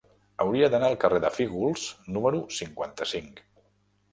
Hauria d'anar al carrer de Fígols número cinquanta-cinc.